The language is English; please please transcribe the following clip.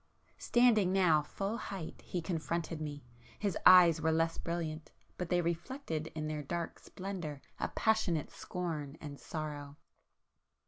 Standing now full height he confronted me,—his eyes were less brilliant, but, they reflected in their dark splendour a passionate scorn and sorrow.